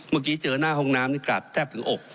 เมื่อกี้เจอหน้าห้องน้ำนี่กราบแทบถึงอก